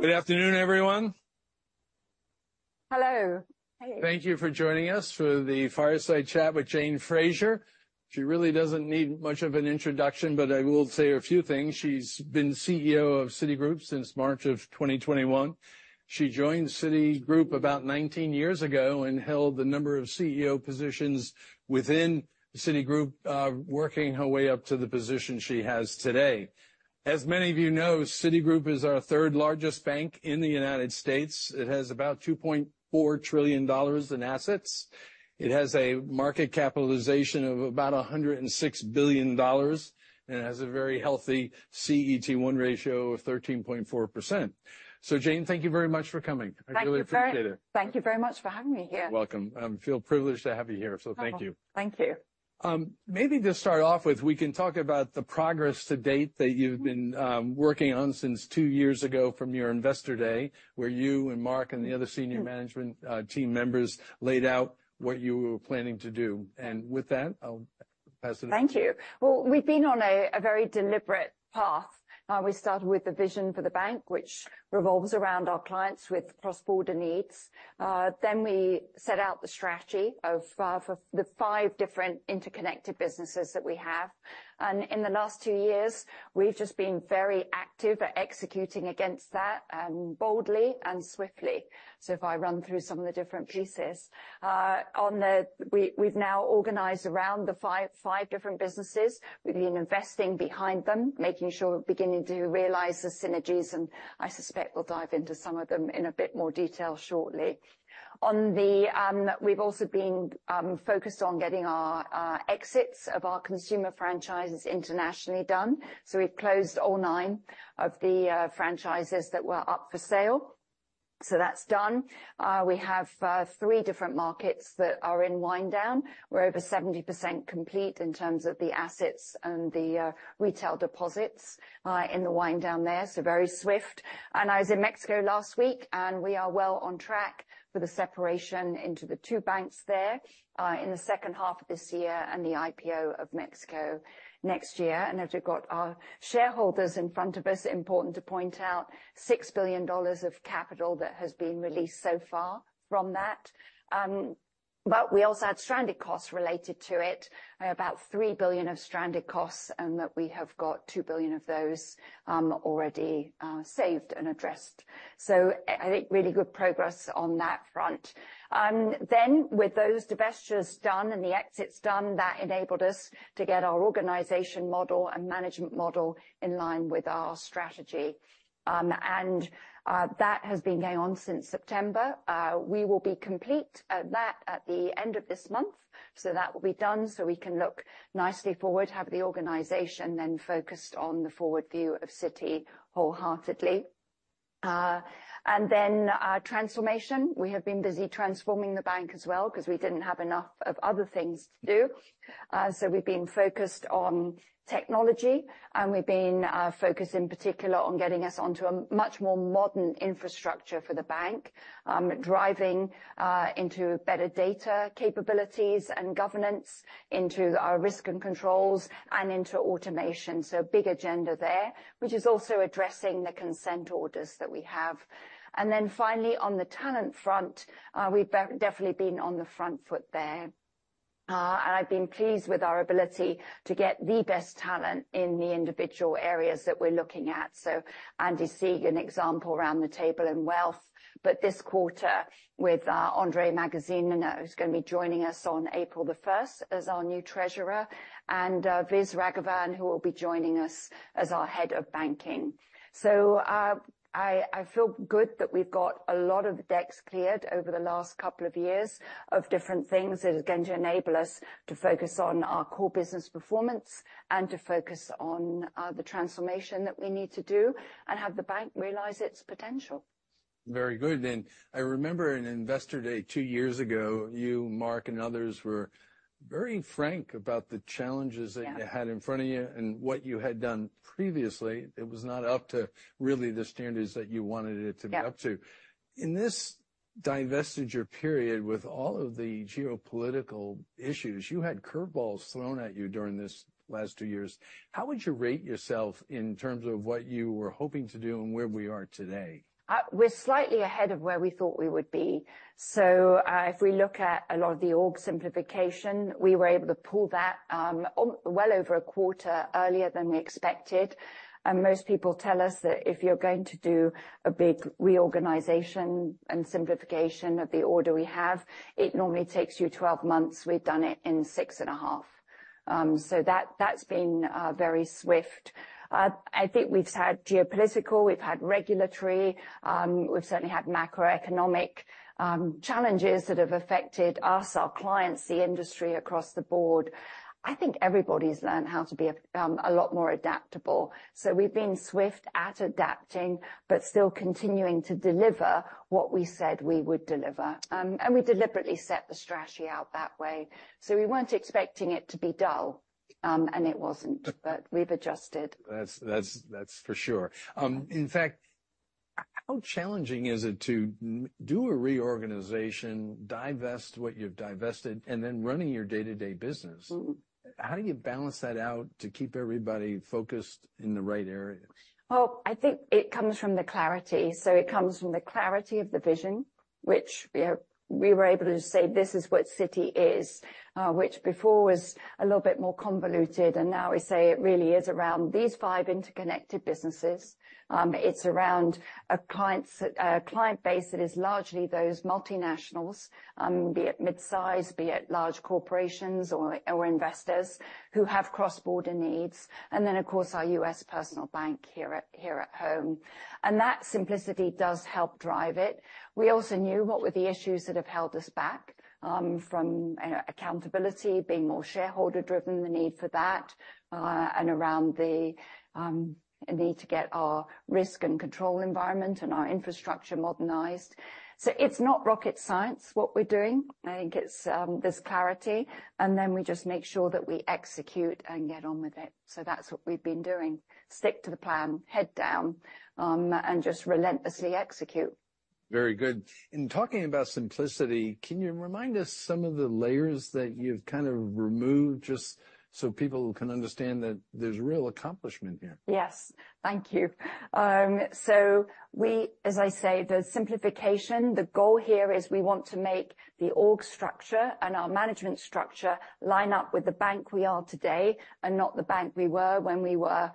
Good afternoon, everyone. Hello.---- Hey. Thank you for joining us for the Fireside Chat with Jane Fraser. She really doesn't need much of an introduction, but I will say a few things. She's been CEO of Citigroup since March of 2021. She joined Citigroup about 19 years ago and held a number of CEO positions within Citigroup, working her way up to the position she has today. As many of you know, Citigroup is our third-largest bank in the United States. It has about $2.4 trillion in assets. It has a market capitalization of about $106 billion, and it has a very healthy CET1 ratio of 13.4%. So, Jane, thank you very much for coming. I really appreciate it. Thank you very much for having me here. You're welcome. I feel privileged to have you here, so thank you. Thank you. Maybe to start off with, we can talk about the progress to date that you've been working on since two years ago from your Investor Day, where you and Mark and the other senior management team members laid out what you were planning to do. With that, I'll pass it to. Thank you. Well, we've been on a very deliberate path. We started with the vision for the bank, which revolves around our clients with cross-border needs. Then we set out the strategy for the five different interconnected businesses that we have. And in the last two years, we've just been very active at executing against that, boldly and swiftly. So if I run through some of the different pieces. We've now organized around the five different businesses, with investing behind them, making sure we're beginning to realize the synergies, and I suspect we'll dive into some of them in a bit more detail shortly. We've also been focused on getting our exits of our consumer franchises internationally done. So we've closed all nine of the franchises that were up for sale. So that's done. We have three different markets that are in winddown. We're over 70% complete in terms of the assets and the retail deposits in the winddown there, so very swift. And I was in Mexico last week, and we are well on track for the separation into the two banks there in the second half of this year and the IPO of Mexico next year. And as we've got our shareholders in front of us, important to point out, $6 billion of capital that has been released so far from that. But we also had stranded costs related to it, about $3 billion of stranded costs, and that we have got $2 billion of those already saved and addressed. So I think really good progress on that front. Then, with those divestitures done and the exits done, that enabled us to get our organization model and management model in line with our strategy. That has been going on since September. We will be complete at that at the end of this month, so that will be done so we can look nicely forward, have the organization then focused on the forward view of Citi wholeheartedly. And then, transformation. We have been busy transforming the bank as well because we didn't have enough of other things to do. So we've been focused on technology, and we've been focused in particular on getting us onto a much more modern infrastructure for the bank, driving into better data capabilities and governance, into our risk and controls, and into automation. So big agenda there, which is also addressing the consent orders that we have. And then finally, on the talent front, we've definitely been on the front foot there. I've been pleased with our ability to get the best talent in the individual areas that we're looking at. Andy Sieg, an example around the table, and wealth. This quarter, with Mike Verdeschi, who's going to be joining us on April 1st as our new treasurer, and Viswas Raghavan, who will be joining us as our head of banking. I feel good that we've got a lot of decks cleared over the last couple of years of different things that are going to enable us to focus on our core business performance and to focus on the transformation that we need to do and have the bank realize its potential. Very good. I remember in Investor Day two years ago, you, Mark, and others were very frank about the challenges that you had in front of you and what you had done previously. It was not up to really the standards that you wanted it to be up to. In this divestiture period, with all of the geopolitical issues, you had curveballs thrown at you during these last two years. How would you rate yourself in terms of what you were hoping to do and where we are today? We're slightly ahead of where we thought we would be. So if we look at a lot of the org simplification, we were able to pull that well over a quarter earlier than we expected. And most people tell us that if you're going to do a big reorganization and simplification of the org we have, it normally takes you 12 months. We've done it in 6.5. So that's been very swift. I think we've had geopolitical, we've had regulatory, we've certainly had macroeconomic challenges that have affected us, our clients, the industry across the board. I think everybody's learned how to be a lot more adaptable. So we've been swift at adapting but still continuing to deliver what we said we would deliver. And we deliberately set the strategy out that way. So we weren't expecting it to be dull, and it wasn't, but we've adjusted. That's for sure. In fact, how challenging is it to do a reorganization, divest what you've divested, and then running your day-to-day business? How do you balance that out to keep everybody focused in the right area? Well, I think it comes from the clarity. So it comes from the clarity of the vision, which we were able to say, "This is what Citi is," which before was a little bit more convoluted. And now we say it really is around these five interconnected businesses. It's around a client base that is largely those multinationals, be it mid-size, be it large corporations or investors who have cross-border needs, and then, of course, our U.S. personal bank here at home. And that simplicity does help drive it. We also knew what were the issues that have held us back, from accountability, being more shareholder-driven, the need for that, and around the need to get our risk and control environment and our infrastructure modernized. So it's not rocket science, what we're doing. I think it's this clarity. Then we just make sure that we execute and get on with it. So that's what we've been doing, stick to the plan, head down, and just relentlessly execute. Very good. In talking about simplicity, can you remind us some of the layers that you've kind of removed just so people can understand that there's real accomplishment here? Yes. Thank you. So as I say, the simplification, the goal here is we want to make the org structure and our management structure line up with the bank we are today and not the bank we were when we were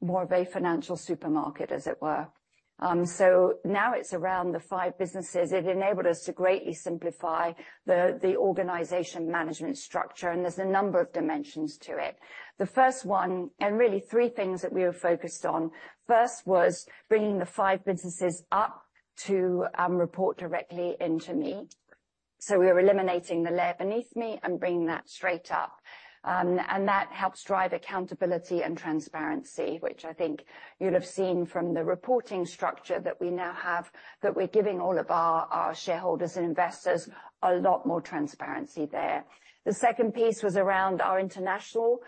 more of a financial supermarket, as it were. So now it's around the five businesses. It enabled us to greatly simplify the organization management structure, and there's a number of dimensions to it. The first one, and really three things that we were focused on, first was bringing the five businesses up to report directly into me. So we were eliminating the layer beneath me and bringing that straight up. And that helps drive accountability and transparency, which I think you'll have seen from the reporting structure that we now have, that we're giving all of our shareholders and investors a lot more transparency there. The second piece was around our international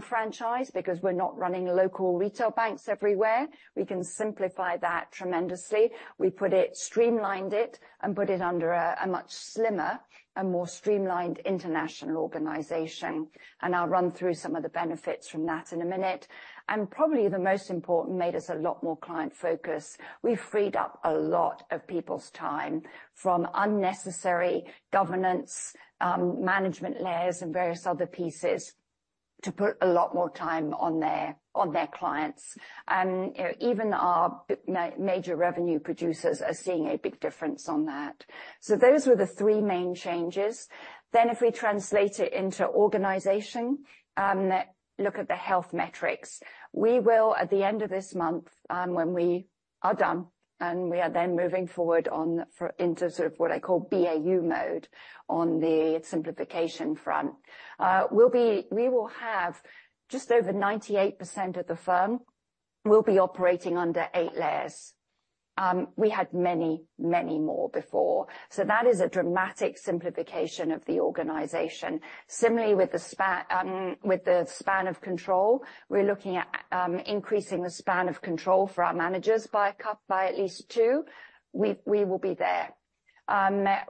franchise because we're not running local retail banks everywhere. We can simplify that tremendously. We put it, streamlined it, and put it under a much slimmer, a more streamlined international organization. And I'll run through some of the benefits from that in a minute. And probably the most important, made us a lot more client-focused. We freed up a lot of people's time from unnecessary governance, management layers, and various other pieces to put a lot more time on their clients. Even our major revenue producers are seeing a big difference on that. So those were the three main changes. Then, if we translate it into organization, look at the health metrics. We will, at the end of this month, when we are done and we are then moving forward into sort of what I call BAU mode on the simplification front, we will have just over 98% of the firm will be operating under 8 layers. We had many, many more before. So that is a dramatic simplification of the organization. Similarly, with the span of control, we're looking at increasing the span of control for our managers by at least 2. We will be there.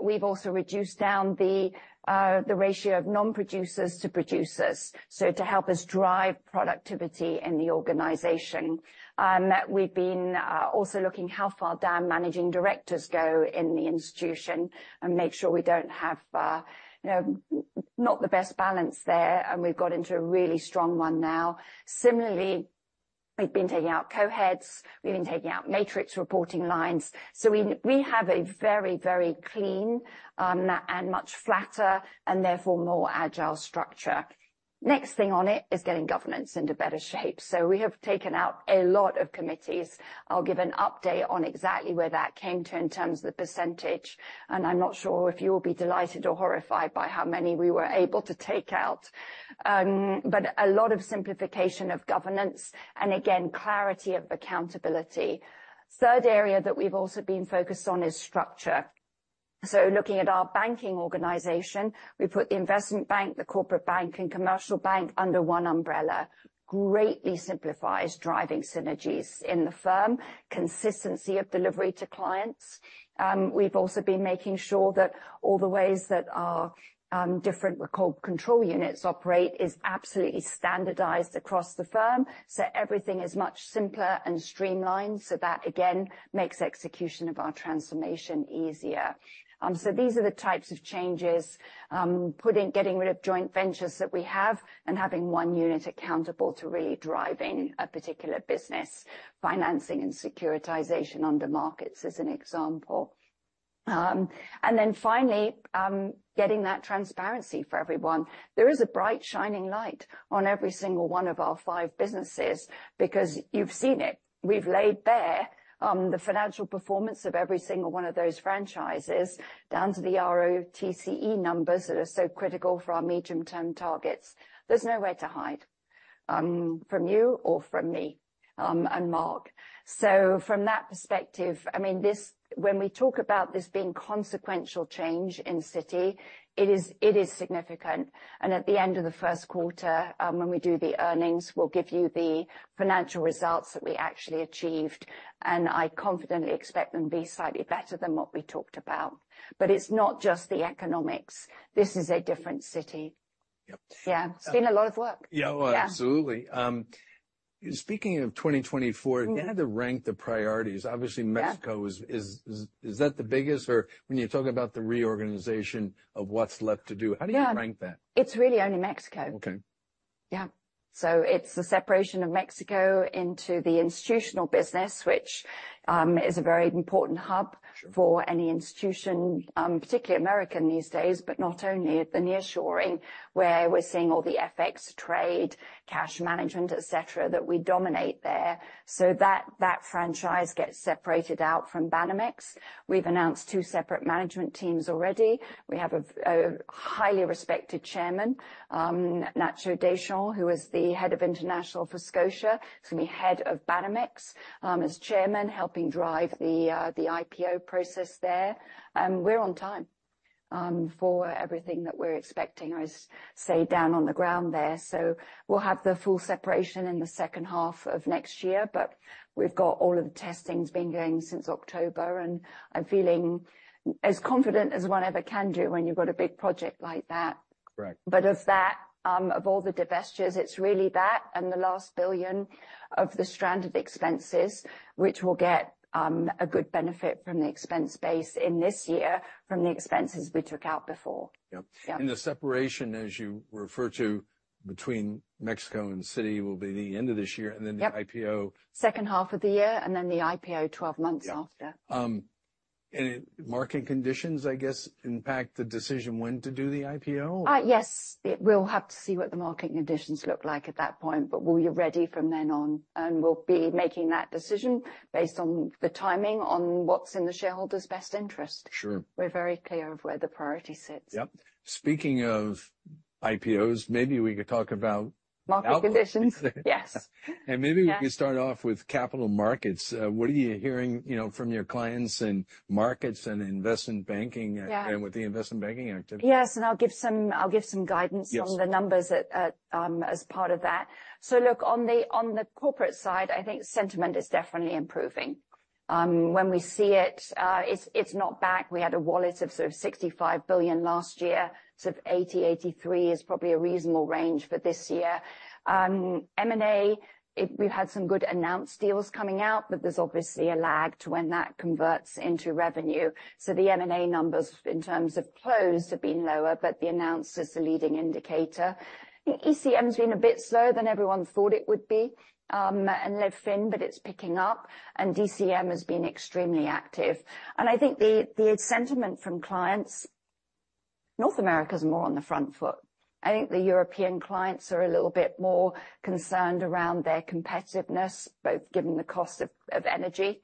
We've also reduced down the ratio of non-producers to producers, so to help us drive productivity in the organization. We've been also looking how far down managing directors go in the institution and make sure we don't have not the best balance there, and we've got into a really strong one now. Similarly, we've been taking out co-heads. We've been taking out matrix reporting lines. So we have a very, very clean and much flatter and therefore more agile structure. Next thing on it is getting governance into better shape. So we have taken out a lot of committees. I'll give an update on exactly where that came to in terms of the percentage. I'm not sure if you will be delighted or horrified by how many we were able to take out, but a lot of simplification of governance and, again, clarity of accountability. Third area that we've also been focused on is structure. So looking at our banking organization, we put the investment bank, the corporate bank, and commercial bank under one umbrella. Greatly simplifies driving synergies in the firm, consistency of delivery to clients. We've also been making sure that all the ways that our different, we're called, control units operate is absolutely standardized across the firm, so everything is much simpler and streamlined, so that, again, makes execution of our transformation easier. So these are the types of changes, getting rid of joint ventures that we have and having one unit accountable to really driving a particular business, financing and securitization under markets as an example. And then finally, getting that transparency for everyone. There is a bright shining light on every single one of our five businesses because you've seen it. We've laid bare the financial performance of every single one of those franchises down to the ROTCE numbers that are so critical for our medium-term targets. There's nowhere to hide from you or from me and Mark. So from that perspective, I mean, when we talk about this being consequential change in Citi, it is significant. At the end of the first quarter, when we do the earnings, we'll give you the financial results that we actually achieved. I confidently expect them to be slightly better than what we talked about. It's not just the economics. This is a different Citi. Yeah. It's been a lot of work. Yeah. Absolutely. Speaking of 2024, how do you rank the priorities? Obviously, Mexico is that the biggest? Or when you're talking about the reorganization of what's left to do, how do you rank that? Yeah. It's really only Mexico. Yeah. So it's the separation of Mexico into the institutional business, which is a very important hub for any institution, particularly American these days, but not only, the nearshoring where we're seeing all the FX, trade, cash management, etc., that we dominate there. So that franchise gets separated out from Banamex. We've announced two separate management teams already. We have a highly respected chairman, Nacho Deschamps, who is the head of international for Scotia. He's going to be head of Banamex as chairman, helping drive the IPO process there. And we're on time for everything that we're expecting, I say, down on the ground there. So we'll have the full separation in the second half of next year. But we've got all of the testings been going since October. I'm feeling as confident as one ever can do when you've got a big project like that. But of all the divestitures, it's really that and the last $1 billion of the stranded expenses, which will get a good benefit from the expense base in this year from the expenses we took out before. Yeah. The separation, as you refer to, between Mexico and Citi will be the end of this year and then the IPO. Second half of the year and then the IPO 12 months after. Market conditions, I guess, impact the decision when to do the IPO? Yes. We'll have to see what the market conditions look like at that point. We'll be ready from then on. We'll be making that decision based on the timing, on what's in the shareholders' best interest. We're very clear of where the priority sits. Yeah. Speaking of IPOs, maybe we could talk about. Market conditions. Yes. Maybe we could start off with capital markets. What are you hearing from your clients in markets and investment banking and with the investment banking activity? Yes. I'll give some guidance on the numbers as part of that. So look, on the corporate side, I think sentiment is definitely improving. When we see it, it's not back. We had a wallet of sort of $65 billion last year. Sort of $80 billion-$83 billion is probably a reasonable range for this year. M&A, we've had some good announced deals coming out, but there's obviously a lag to when that converts into revenue. So the M&A numbers in terms of close have been lower, but the announced is the leading indicator. ECM has been a bit slower than everyone thought it would be and lagged FICC, but it's picking up. And DCM has been extremely active. And I think the sentiment from clients, North America is more on the front foot. I think the European clients are a little bit more concerned around their competitiveness, both given the cost of energy,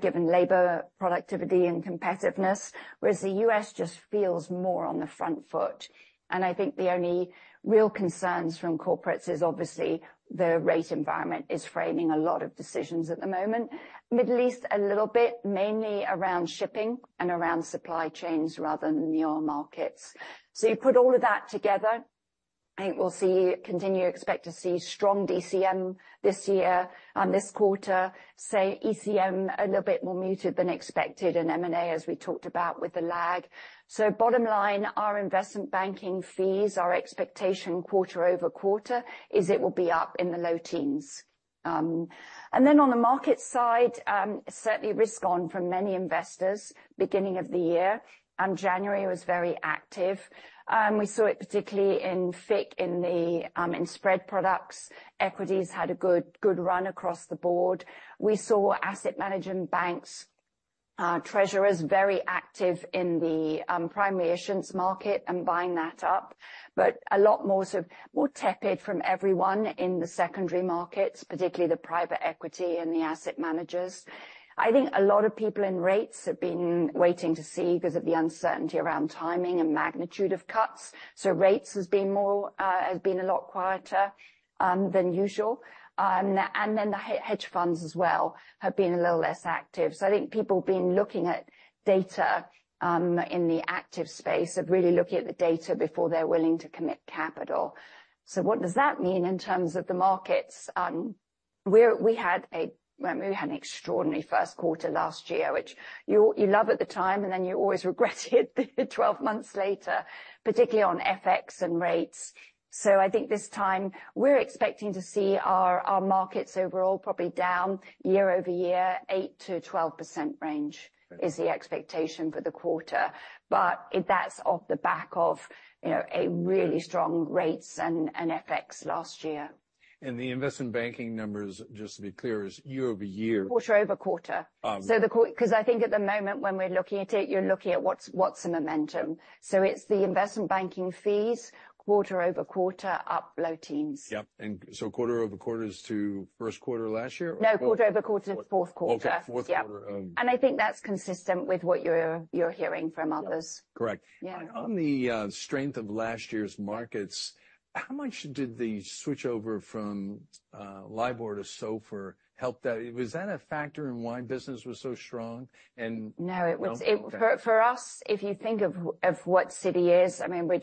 given labor productivity and competitiveness, whereas the US just feels more on the front foot. I think the only real concerns from corporates is obviously the rate environment is framing a lot of decisions at the moment. Middle East a little bit, mainly around shipping and around supply chains rather than the oil markets. You put all of that together, I think we'll continue to expect to see strong DCM this year, this quarter, say ECM a little bit more muted than expected and M&A, as we talked about, with the lag. Bottom line, our investment banking fees, our expectation quarter-over-quarter is it will be up in the low teens. And then on the market side, certainly risk on from many investors beginning of the year. January was very active. We saw it particularly in FICC in spread products. Equities had a good run across the board. We saw asset management banks, treasurers, very active in the primary issuance market and buying that up, but a lot more sort of more tepid from everyone in the secondary markets, particularly the private equity and the asset managers. I think a lot of people in rates have been waiting to see because of the uncertainty around timing and magnitude of cuts. So rates has been a lot quieter than usual. And then the hedge funds as well have been a little less active. So I think people have been looking at data in the active space of really looking at the data before they're willing to commit capital. So what does that mean in terms of the markets? We had an extraordinary first quarter last year, which you love at the time and then you always regret it 12 months later, particularly on FX and rates. So I think this time we're expecting to see our markets overall probably down year-over-year, 8%-12% range is the expectation for the quarter. But that's off the back of a really strong rates and FX last year. The investment banking numbers, just to be clear, is year-over-year. Quarter-over-quarter. Because I think at the moment when we're looking at it, you're looking at what's the momentum. So it's the investment banking fees quarter-over-quarter up low teens. Yeah. And so quarter-over-quarter is to first quarter last year, or? No, quarter over quarter is fourth quarter. I think that's consistent with what you're hearing from others. Correct. On the strength of last year's markets, how much did the switchover from LIBOR to SOFR help that? Was that a factor in why business was so strong? No. For us, if you think of what Citi is, I mean, we're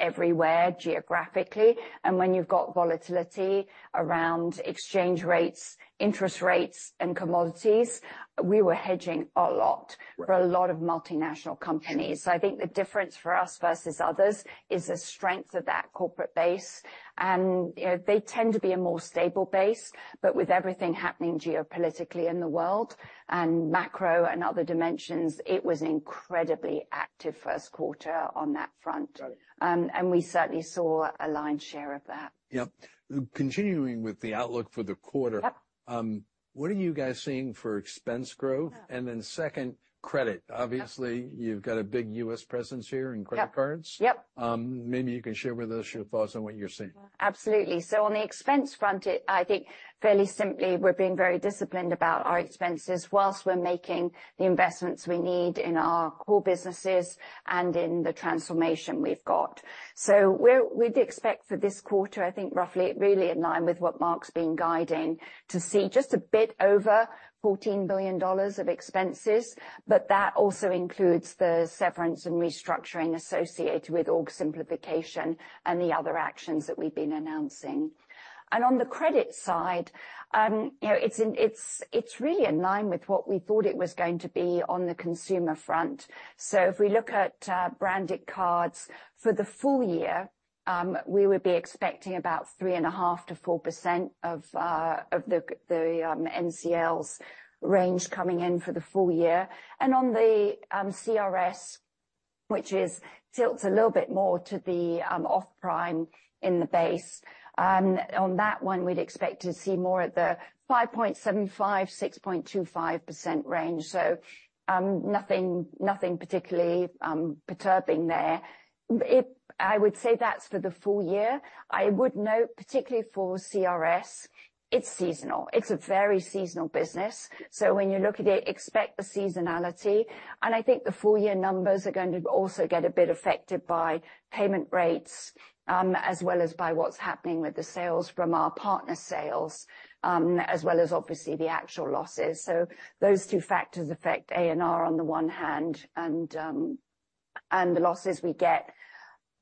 everywhere geographically. And when you've got volatility around exchange rates, interest rates, and commodities, we were hedging a lot for a lot of multinational companies. So I think the difference for us versus others is the strength of that corporate base. And they tend to be a more stable base. But with everything happening geopolitically in the world and macro and other dimensions, it was an incredibly active first quarter on that front. And we certainly saw a lion's share of that. Yeah. Continuing with the outlook for the quarter, what are you guys seeing for expense growth? And then second, credit. Obviously, you've got a big U.S. presence here in credit cards. Maybe you can share with us your thoughts on what you're seeing. Absolutely. So on the expense front, I think fairly simply, we're being very disciplined about our expenses while we're making the investments we need in our core businesses and in the transformation we've got. So we'd expect for this quarter, I think roughly really in line with what Mark's been guiding, to see just a bit over $14 billion of expenses. But that also includes the severance and restructuring associated with org simplification and the other actions that we've been announcing. And on the credit side, it's really in line with what we thought it was going to be on the consumer front. So if we look at branded cards for the full year, we would be expecting about 3.5%-4% of the NCLs range coming in for the full year. On the CRS, which tilts a little bit more to the off-prime in the base, on that one, we'd expect to see more at the 5.75%-6.25% range. So nothing particularly perturbing there. I would say that's for the full year. I would note, particularly for CRS, it's seasonal. It's a very seasonal business. So when you look at it, expect the seasonality. I think the full-year numbers are going to also get a bit affected by payment rates as well as by what's happening with the sales from our partner sales, as well as obviously the actual losses. So those two factors affect ANR on the one hand. The losses we get,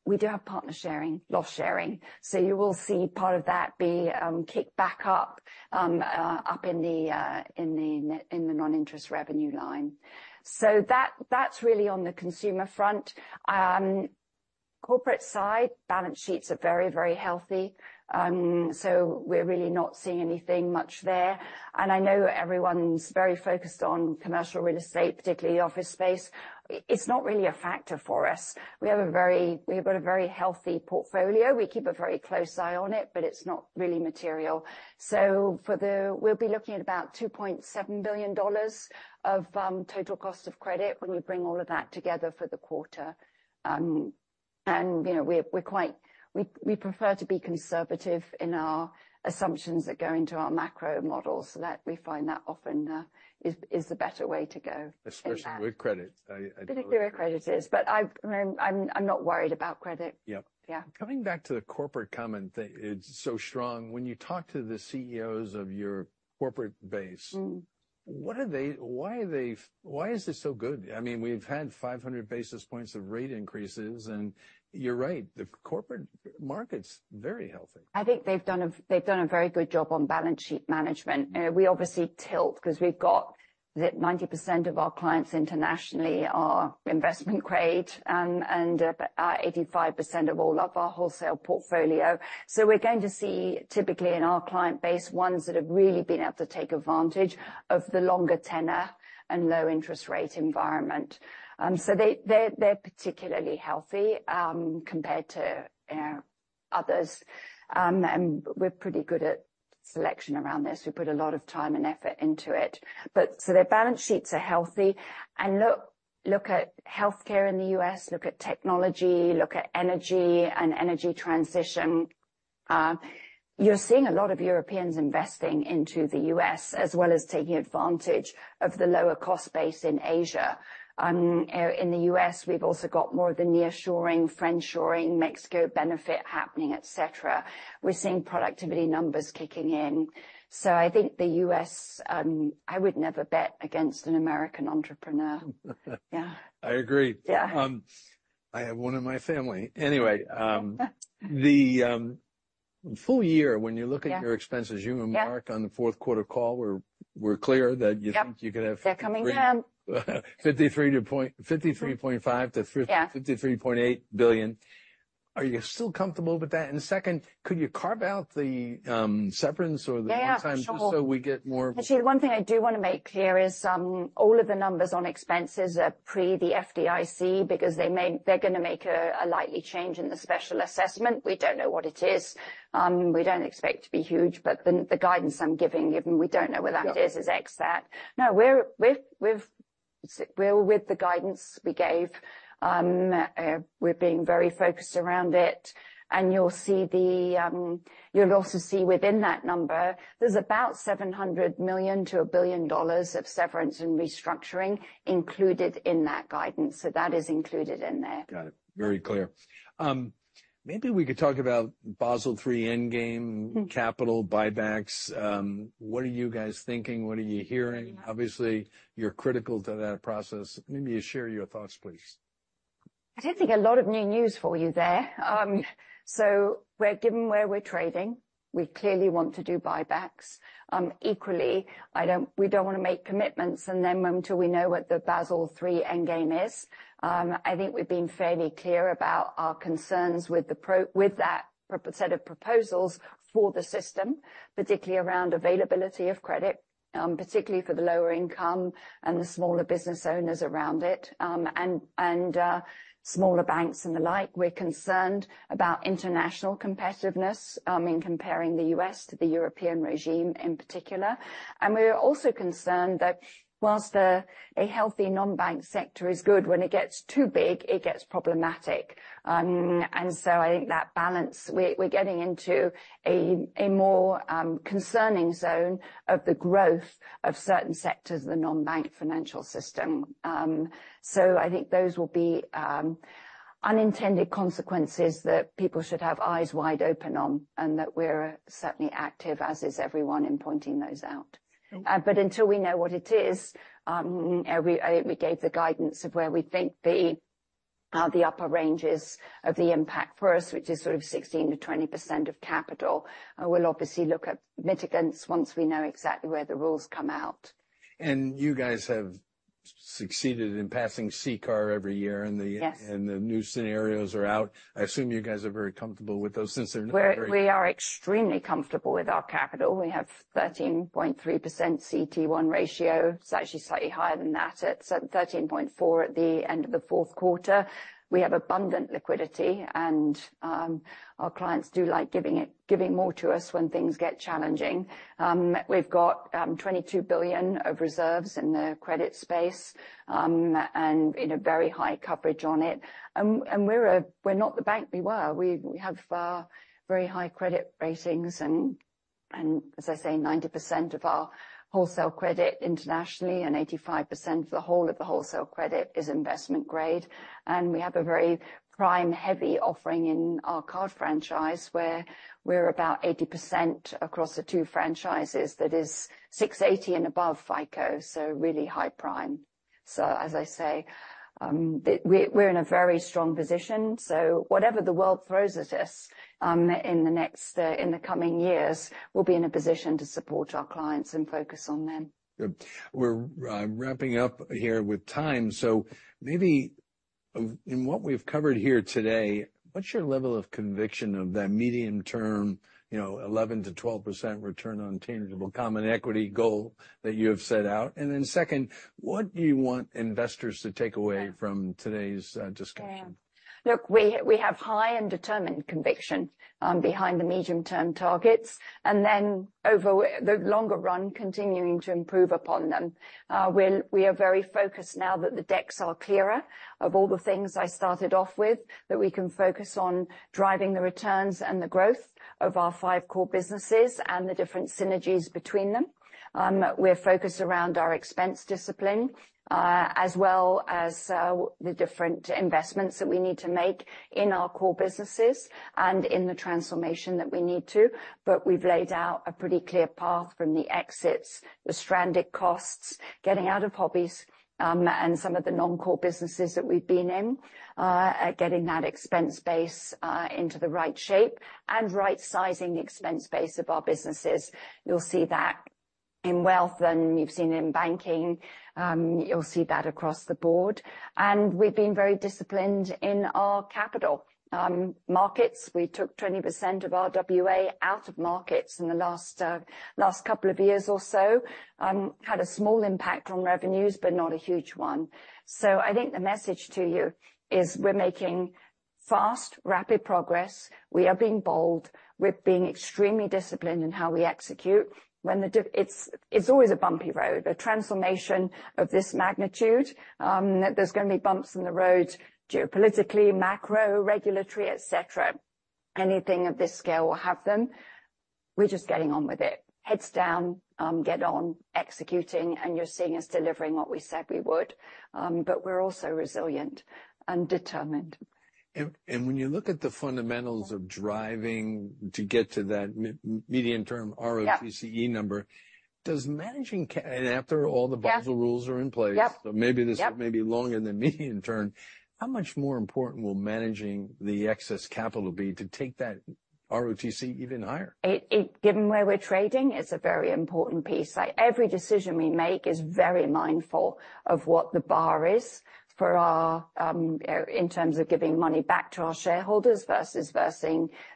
we do have partner sharing, loss sharing. So you will see part of that be kicked back up in the non-interest revenue line. So that's really on the consumer front. Corporate side, balance sheets are very, very healthy. So we're really not seeing anything much there. And I know everyone's very focused on commercial real estate, particularly the office space. It's not really a factor for us. We have got a very healthy portfolio. We keep a very close eye on it, but it's not really material. So we'll be looking at about $2.7 billion of total cost of credit when you bring all of that together for the quarter. And we prefer to be conservative in our assumptions that go into our macro model so that we find that often is the better way to go. Especially with credit. Particularly with credit is. But I'm not worried about credit. Yeah. Coming back to the corporate comment, it's so strong. When you talk to the CEOs of your corporate base, why is this so good? I mean, we've had 500 basis points of rate increases. And you're right, the corporate market's very healthy. I think they've done a very good job on balance sheet management. We obviously tilt because we've got 90% of our clients internationally are investment grade and 85% of all of our wholesale portfolio. So we're going to see, typically in our client base, ones that have really been able to take advantage of the longer tenor and low-interest rate environment. So they're particularly healthy compared to others. And we're pretty good at selection around this. We put a lot of time and effort into it. So their balance sheets are healthy. And look at healthcare in the U.S., look at technology, look at energy and energy transition. You're seeing a lot of Europeans investing into the U.S. as well as taking advantage of the lower-cost base in Asia. In the U.S., we've also got more of the nearshoring, friendshoring, Mexico benefit happening, etc. We're seeing productivity numbers kicking in. I think the U.S., I would never bet against an American entrepreneur. Yeah. I agree. I have one in my family. Anyway, the full year, when you look at your expenses, you and Mark on the fourth quarter call, we're clear that you think you could have. They're coming down. $53.5 billion-$53.8 billion. Are you still comfortable with that? And second, could you carve out the severance or the one-time just so we get more. Actually, the one thing I do want to make clear is all of the numbers on expenses are pre the FDIC because they're going to make a likely change in the special assessment. We don't know what it is. We don't expect it to be huge. But the guidance I'm giving, given we don't know where that is, is ex that. No, we're with the guidance we gave. We're being very focused around it. And you'll also see within that number, there's about $700 million-$1 billion of severance and restructuring included in that guidance. So that is included in there. Got it. Very clear. Maybe we could talk about Basel III Endgame, capital buybacks. What are you guys thinking? What are you hearing? Obviously, you're critical to that process. Maybe you share your thoughts, please. I don't think a lot of new news for you there. So given where we're trading, we clearly want to do buybacks. Equally, we don't want to make commitments and then until we know what the Basel III Endgame is. I think we've been fairly clear about our concerns with that set of proposals for the system, particularly around availability of credit, particularly for the lower income and the smaller business owners around it and smaller banks and the like. We're concerned about international competitiveness in comparing the U.S. to the European regime in particular. And we're also concerned that while a healthy non-bank sector is good, when it gets too big, it gets problematic. And so I think that balance, we're getting into a more concerning zone of the growth of certain sectors of the non-bank financial system. I think those will be unintended consequences that people should have eyes wide open on and that we're certainly active, as is everyone, in pointing those out. But until we know what it is, we gave the guidance of where we think the upper range is of the impact for us, which is sort of 16%-20% of capital. We'll obviously look at mitigants once we know exactly where the rules come out. You guys have succeeded in passing CCAR every year and the new scenarios are out. I assume you guys are very comfortable with those since they're not very. We are extremely comfortable with our capital. We have 13.3% CET1 ratio. It's actually slightly higher than that. It's at 13.4% at the end of the fourth quarter. We have abundant liquidity and our clients do like giving more to us when things get challenging. We've got $22 billion of reserves in the credit space and very high coverage on it. We're not the bank we were. We have very high credit ratings. As I say, 90% of our wholesale credit internationally and 85% of the whole of the wholesale credit is Investment Grade. We have a very prime-heavy offering in our card franchise where we're about 80% across the two franchises. That is 680 and above FICO. So really high prime. As I say, we're in a very strong position. Whatever the world throws at us in the coming years, we'll be in a position to support our clients and focus on them. Good. We're wrapping up here with time. So maybe in what we've covered here today, what's your level of conviction of that medium-term, 11%-12% return on tangible common equity goal that you have set out? And then second, what do you want investors to take away from today's discussion? Look, we have high and determined conviction behind the medium-term targets and then over the longer run, continuing to improve upon them. We are very focused now that the decks are clearer of all the things I started off with, that we can focus on driving the returns and the growth of our five core businesses and the different synergies between them. We're focused around our expense discipline as well as the different investments that we need to make in our core businesses and in the transformation that we need to. But we've laid out a pretty clear path from the exits, the stranded costs, getting out of hobbies and some of the non-core businesses that we've been in, getting that expense base into the right shape and right-sizing the expense base of our businesses. You'll see that in wealth and you've seen it in banking. You'll see that across the board. We've been very disciplined in our capital markets. We took 20% of our RWA out of markets in the last couple of years or so. Had a small impact on revenues, but not a huge one. I think the message to you is we're making fast, rapid progress. We are being bold. We're being extremely disciplined in how we execute. It's always a bumpy road. A transformation of this magnitude. There's going to be bumps in the road geopolitically, macro, regulatory, etc. Anything of this scale will have them. We're just getting on with it. Heads down, get on, executing, and you're seeing us delivering what we said we would. But we're also resilient and determined. When you look at the fundamentals of driving to get to that medium-term ROTCE number, does managing and after all the Basel rules are in place, so maybe longer than medium term, how much more important will managing the excess capital be to take that ROTCE even higher? Given where we're trading, it's a very important piece. Every decision we make is very mindful of what the bar is in terms of giving money back to our shareholders versus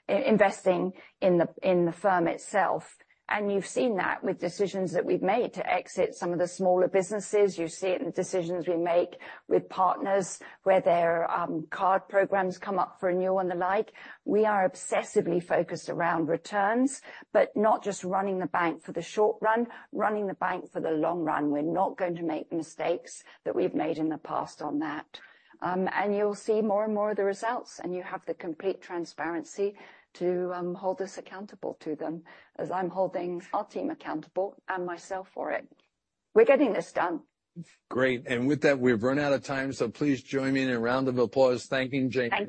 investing in the firm itself. You've seen that with decisions that we've made to exit some of the smaller businesses. You see it in the decisions we make with partners where their card programs come up for renewal and the like. We are obsessively focused around returns, but not just running the bank for the short run, running the bank for the long run. We're not going to make the mistakes that we've made in the past on that. You'll see more and more of the results. You have the complete transparency to hold us accountable to them as I'm holding our team accountable and myself for it. We're getting this done. Great. With that, we've run out of time. Please join me in a round of applause thanking Jane.